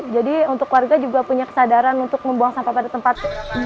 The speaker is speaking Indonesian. jadi untuk warga juga punya kesadaran untuk membuang sampah pada tempat